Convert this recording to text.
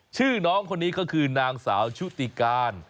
ชื่อน้องคนนี้ก็คือนางสาวชุติการ